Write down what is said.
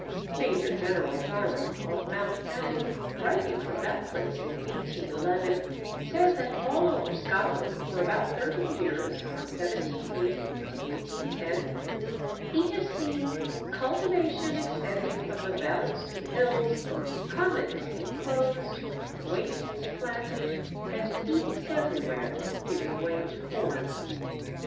Major General Dirom, of Mount Annan, writing from that place in 1811, says that all over Scotland for about thirty years (from 1780 1810) he has seen "cultivation extending from the valleys to the hills, commons inclosed, wastes planted, and heaths everywhere giving way to corn